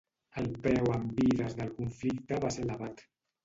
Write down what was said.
El preu en vides del conflicte va ser elevat.